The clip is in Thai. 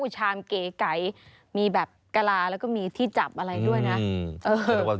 ชามเก๋ไก่มีแบบกะลาแล้วก็มีที่จับอะไรด้วยนะ